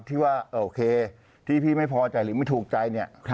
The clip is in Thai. ที่ว่าโอเคที่พี่ไม่พอใจหรือไม่ถูกใจเนี่ย